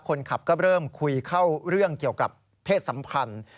คนขับก็เริ่มคุยเข้าเรื่องเกี่ยวกับเพศสัมพันธ์